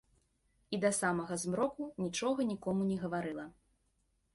І да самага змроку нічога нікому не гаварыла.